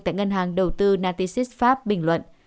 tại ngân hàng đầu tư natisys pháp bình luận